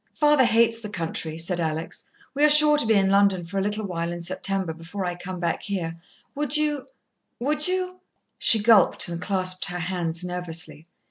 "Father hates the country," said Alex. "We are sure to be in London for a little while in September, before I come back here. Would you would you " She gulped and clasped her hands nervously.